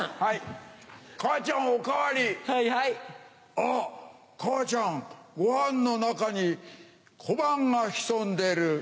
あっ母ちゃんご飯の中に小判が潜んでる。